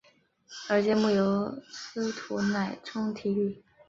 而节目由司徒乃钟题笔。